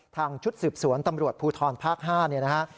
ชุดสืบสวนตำรวจภูทรภาค๕เนี่ยนะฮะ